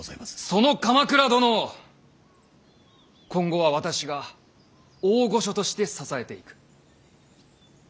その鎌倉殿を今後は私が大御所として支えていく。